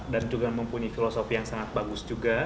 dan juga mempunyai filosofi yang sangat bagus juga